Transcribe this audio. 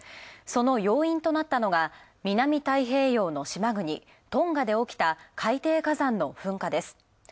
その要因となったのが南太平洋の島国、トンガで起きた、海底火山の噴火です。